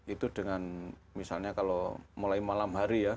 itu dengan misalnya kalau mulai malam hari ya